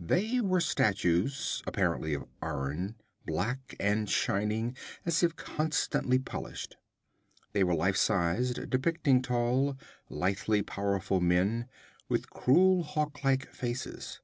They were statues, apparently of iron, black and shining as if continually polished. They were life sized, depicting tall, lithely powerful men, with cruel hawk like faces.